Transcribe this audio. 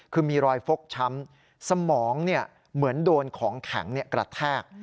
คือมีรอยฟกช้ำสมองเหมือนโดนของแข็งกระแทก